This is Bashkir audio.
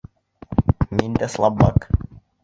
— Мин дә слабак.